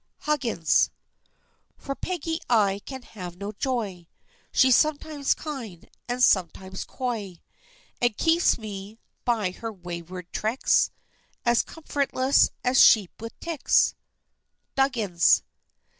HUGGINS. For Peggy I can have no joy, She's sometimes kind, and sometimes coy, And keeps me, by her wayward tricks, As comfortless as sheep with ticks! DUGGINS.